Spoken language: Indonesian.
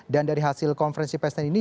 dan dari hasil konferensi pesan ini